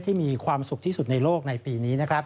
ที่มีความสุขที่สุดในโลกในปีนี้